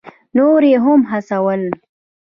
نور یې هم هڅول.